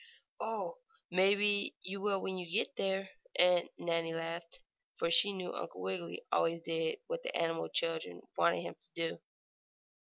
"Oh, maybe you will when you get there!" And Nannie laughed, for she knew Uncle Wiggily always did whatever the animal children wanted him to do.